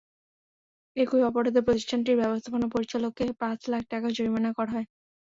একই অপরাধে প্রতিষ্ঠানটির ব্যবস্থাপনা পরিচালককে পাঁচ লাখ টাকা জরিমানা করা হয়।